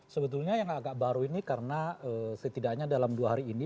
sebetulnya yang agak baru ini karena setidaknya dalam dua hari ini